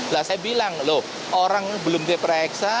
lah saya bilang loh orang belum diperiksa